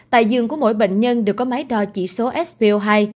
tại giường của mỗi bệnh nhân được có máy đo chỉ số spo hai